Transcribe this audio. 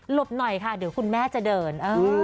บหน่อยค่ะเดี๋ยวคุณแม่จะเดิน